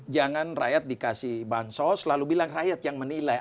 jangan rakyat dikasih bansos selalu bilang rakyat yang menilai